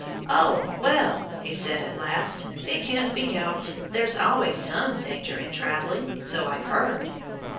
"Oh, well!" he said at last. "It can't be helped. There's always some danger in traveling so I've heard."